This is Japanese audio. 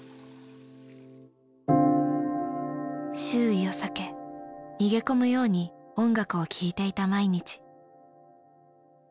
周囲を避け逃げ込むように音楽を聴いていた毎日。